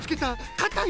かたい！